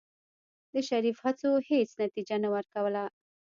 د شريف هڅو هېڅ نتيجه نه ورکوله.